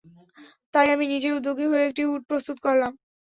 তাই আমি নিজেই উদ্যোগী হয়ে একটি উট প্রস্তুত করলাম।